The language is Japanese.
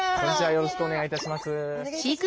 よろしくお願いします。